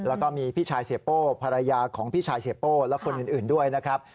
แล้วก็มีพี่ชายเสียโป้ภรรยาของพี่ชายเสียโป้และคนอื่นด้วยนะครับ